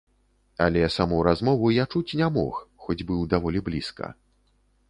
Але саму размову я чуць не мог, хоць быў даволі блізка.